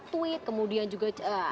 tweet kemudian juga